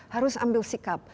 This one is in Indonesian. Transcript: harus ambil sikap